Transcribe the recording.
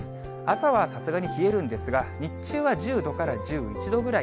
朝はさすがに冷えるんですが、日中は１０度から１１度ぐらい。